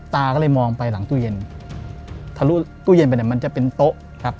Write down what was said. ตาก็เลยมองไปหลังตู้เย็นทะลุตู้เย็นไปเนี่ยมันจะเป็นโต๊ะครับ